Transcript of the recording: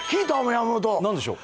山本何でしょう？